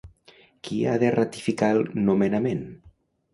Qui ha de ratificar el nomenament?